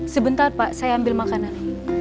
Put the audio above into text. sebentar pak saya ambil makanan